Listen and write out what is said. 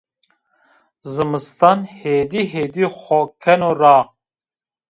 Zimistan hêdî-hêdî xo keno ra